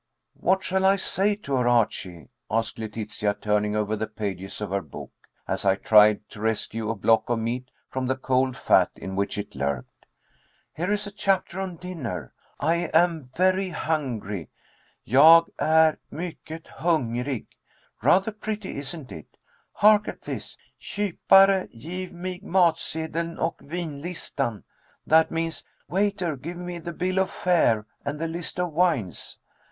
"What shall I say to her, Archie?" asked Letitia, turning over the pages of her book, as I tried to rescue a block of meat from the cold fat in which it lurked. "Here is a chapter on dinner. 'I am very hungry,' 'Jag är myckel hungrig.' Rather pretty, isn't it? Hark at this: 'Kypare gif mig matsedeln och vinlistan.' That means: 'Waiter, give me the bill of fare, and the list of wines.'"